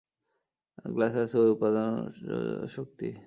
গ্লাসে আছে ঐ উপাদান এবং ঐ শক্তি।